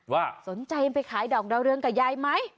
ว่าสนใจไปขายดอกดาวเรืองกับยายไหม